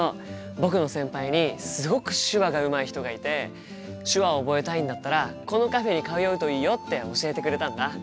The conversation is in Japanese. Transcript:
僕の先輩にすごく手話がうまい人がいて手話を覚えたいんだったらこのカフェに通うといいよって教えてくれたんだ。